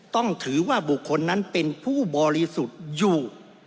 ต้องถือว่าบุคคลนั้นเป็นผู้บริสุทธิ์อยู่